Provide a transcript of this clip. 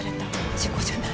事故じゃない」